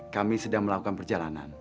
kami sedang melakukan perjalanan